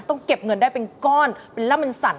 ต้องเก็บเงินได้เป็นก้อนเป็นร่ำเป็นสัน